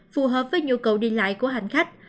phù hợp với nhu cầu đi lại của hành khách